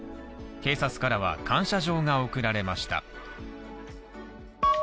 警察からは感謝状が贈られました。